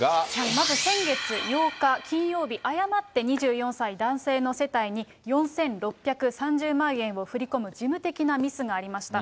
まず先月８日金曜日、誤って２４歳男性の世帯に４６３０万円を振り込む事務的なミスがありました。